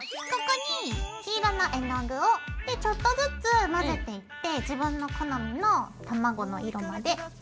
ここに黄色の絵の具をちょっとずつ混ぜていって自分の好みのたまごの色まで。